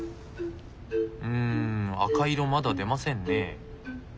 うん赤い色まだ出ませんね。